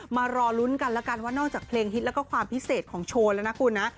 มารอลุ้นกันแล้วกันว่านอกจากเพลงฮิตแล้วก็ความพิเศษของโชว์แล้วนะคุณนะ